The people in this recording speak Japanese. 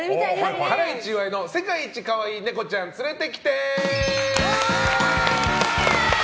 ハライチ岩井の世界一かわいいネコちゃん連れてきて。